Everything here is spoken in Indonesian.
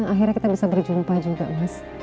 akhirnya kita bisa berjumpa juga mas